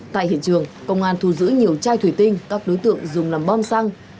tại hiện trường công an thu giữ nhiều chai thủy tinh các đối tượng dùng làm bom xăng